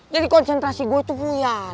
jadi konsentrasi gue tuh puyar